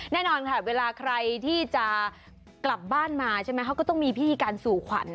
แน่นอนค่ะเวลาใครที่จะกลับบ้านมาใช่ไหมเขาก็ต้องมีพิธีการสู่ขวัญ